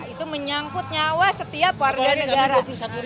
itu menyangkut nyawa setiap warga negara